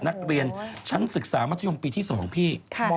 นักเรียนชั้นศึกษามัธยมปีที่๒พี่